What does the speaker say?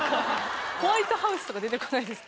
ホワイトハウスとか出てこないですか？